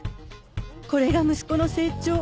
これが息子の成長